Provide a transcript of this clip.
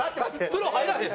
風呂入らへん！